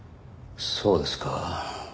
そうですか。